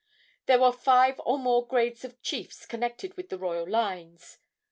There were five or more grades of chiefs connected with the royal lines.